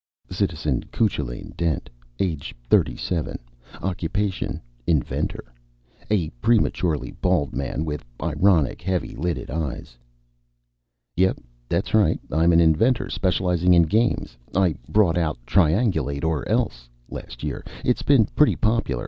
(Citizen Cuchulain Dent, age 37, occupation inventor. A prematurely bald man with ironic, heavy lidded eyes.) "Yep, that's right. I'm an inventor specializing in games. I brought out Triangulate Or Else! last year. It's been pretty popular.